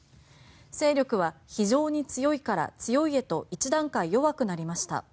勢力は非常に強いから強いへと一段階弱くなりました。